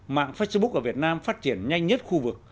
mạng facebook ở việt nam phát triển nhanh nhất khu vực